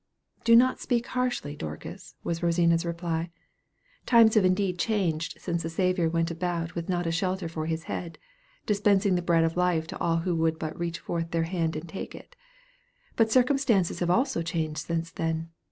"Do not speak harshly, Dorcas," was Rosina's reply; "times have indeed changed since the Savior went about with not a shelter for his head, dispensing the bread of life to all who would but reach forth their hands and take it; but circumstances have also changed since then.